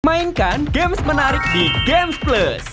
mainkan games menarik di gamesplus